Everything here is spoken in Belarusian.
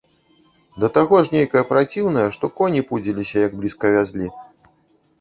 Да таго ж нейкая праціўная, што коні пудзіліся, як блізка вязлі.